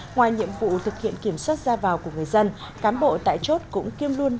ngoài nhiệm vụ thực hiện kiểm soát ra vào của người dân cán bộ tại chốt cũng kiêm luôn